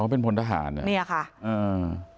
อ๋อเป็นพลทหารเนี่ยค่ะอืม